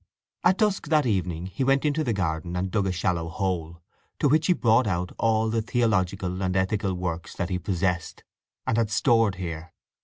At dusk that evening he went into the garden and dug a shallow hole, to which he brought out all the theological and ethical works that he possessed, and had stored here.